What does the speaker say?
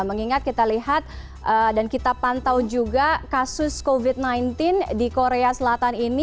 mengingat kita lihat dan kita pantau juga kasus covid sembilan belas di korea selatan ini